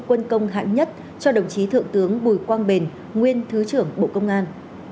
quân công hạng nhất cho đồng chí thượng tướng bùi quang bền nguyên thứ trưởng bộ công an